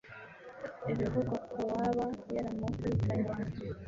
Ibivugwa ku waba yaramuhitanye